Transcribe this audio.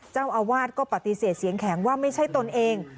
เจ้าอาวาสก็ปฏิเสธเสียงแข็งว่าไม่ใช่ตนเอง